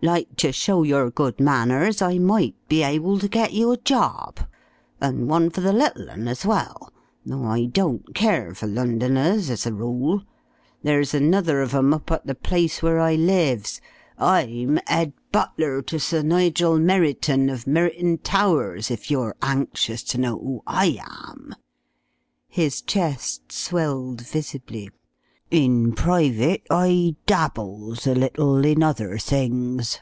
Like ter show your good manners, I might be able to get you a job an' one for the little 'un as well, though I don't care for Londoners as a rule. There's another of 'em up at the place where I lives. I'm 'ead butler to Sir Nigel Merriton of Merriton Towers, if you're anxious to know who I am." His chest swelled visibly. "In private I dabbles a little in other things.